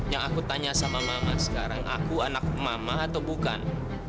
yang aku tanya sama mama sekarang aku anak mama atau bukan